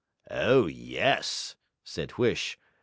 'O yes,' said Huish.